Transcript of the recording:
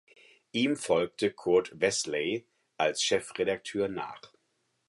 Ihm folgte Kurt Wessely als Chefredakteur nach.